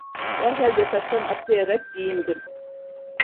Derhal yataktan atlayarak giyindim.